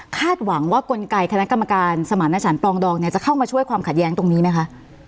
หวังว่ากลไกคณะกรรมการสมารณสารปลองดองเนี่ยจะเข้ามาช่วยความขัดแย้งตรงนี้ไหมคะ